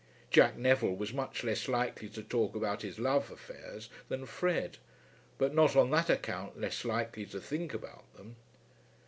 Jack Neville was much less likely to talk about his love affairs than Fred, but not on that account less likely to think about them.